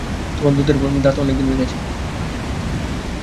তোমার দুধের দাঁত অনেক দিন ভেঙেছে।